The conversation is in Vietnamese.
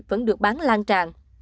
vẫn được bán lan tràn